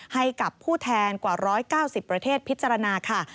ให้กับผู้แทนกว่า๑๙๐ประเทศพิจารณาค่ะ